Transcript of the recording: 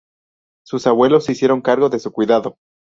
Sus abuelos se hicieron cargo de su cuidado.